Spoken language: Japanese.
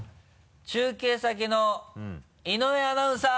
中継先の井上アナウンサー！